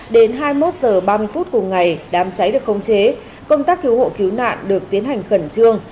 đến hai mươi một h ba mươi phút cùng ngày đám cháy được khống chế công tác cứu hộ cứu nạn được tiến hành khẩn trương